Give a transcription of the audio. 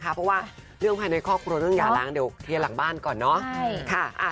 เพราะว่าเรื่องภายในครอบครัวเรื่องหย่าล้างเดี๋ยวเคลียร์หลังบ้านก่อนเนาะ